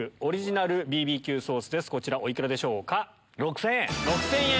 こちらお幾らでしょうか？